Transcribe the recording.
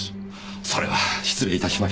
それは失礼いたしました。